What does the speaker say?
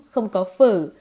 không có phở